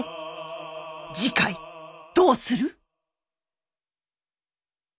次回どうする？